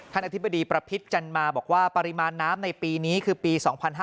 อธิบดีประพิษจันมาบอกว่าปริมาณน้ำในปีนี้คือปี๒๕๕๙